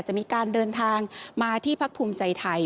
จะมีการเดินทางมาที่พักภูมิใจไทย